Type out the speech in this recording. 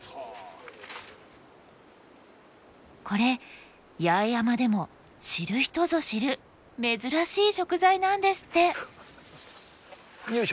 これ八重山でも知る人ぞ知る珍しい食材なんですって。